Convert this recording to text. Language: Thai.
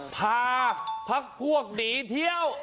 พาพักพวกหนีเที่ยว